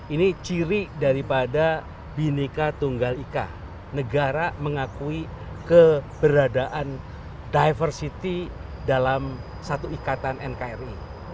ini ciri daripada bineka tunggal ika negara mengakui keberadaan diversity dalam satu ikatan nkri